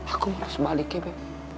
aku malah sebaliknya